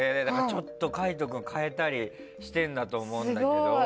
ちょっと海人君変えたりしてるんだと思うんだけど。